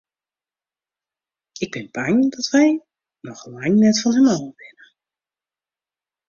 Ik bin bang dat wy noch lang net fan him ôf binne.